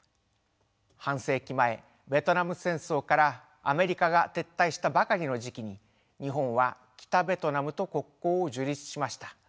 半世紀前ベトナム戦争からアメリカが撤退したばかりの時期に日本は北ベトナムと国交を樹立しました。